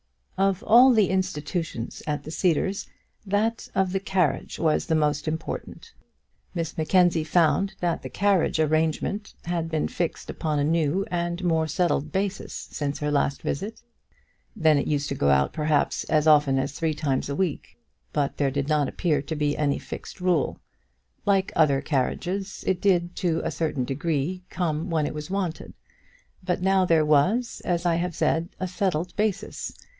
Of all the institutions at the Cedars that of the carriage was the most important. Miss Mackenzie found that the carriage arrangement had been fixed upon a new and more settled basis since her last visit. Then it used to go out perhaps as often as three times a week. But there did not appear to be any fixed rule. Like other carriages, it did, to a certain degree, come when it was wanted. But now there was, as I have said, a settled basis.